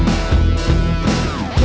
masih lu nunggu